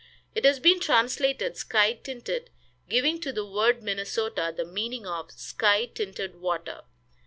It has been translated, "sky tinted," giving to the word Minnesota the meaning of sky tinted water.